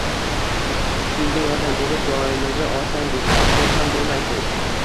Shunga yordam berib, duomizni olsangiz, aslo kam bo`lmaysiz